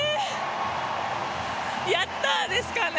やった、ですかね。